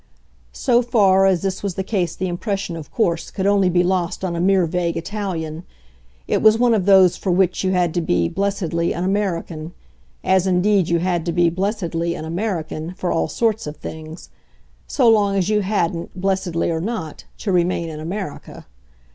So far as this was the case the impression of course could only be lost on a mere vague Italian; it was one of those for which you had to be, blessedly, an American as indeed you had to be, blessedly, an American for all sorts of things: so long as you hadn't, blessedly or not, to remain in America.